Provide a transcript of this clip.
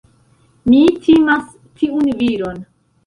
Mi timas tiun viron.